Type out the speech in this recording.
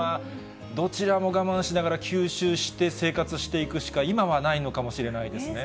どちらも我慢しながら吸収して生活していくしか、今はないのかもそうですね。